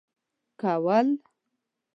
كول.